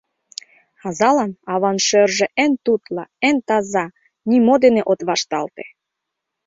Азалан аван шӧржӧ эн тутло, эн таза, нимо дене от вашталте.